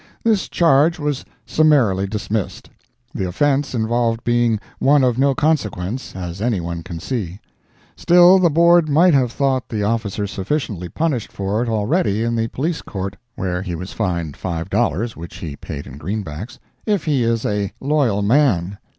This charge was summarily dismissed; the offence involved being one of no consequence, as anyone can see. Still, the Board might have thought the officer sufficiently punished for it already in the Police Court, where he was fined five dollars, which he paid in green backs, if he is a loyal man.